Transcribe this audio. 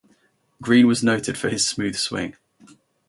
Green was noted for his smooth swing.